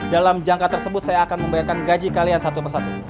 dalam jangka tersebut saya akan membayarkan gaji kalian satu persatu